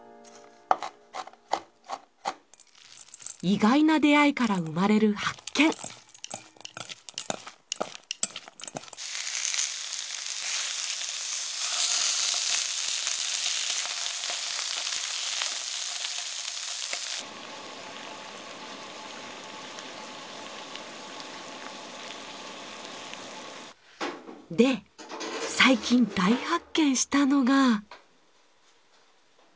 意外な出会いから生まれる発見。で最近大発見したのが。